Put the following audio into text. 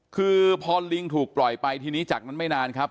คือพอลิงถูกปล่อยไปทีนี้จากนั้นไม่นานครับ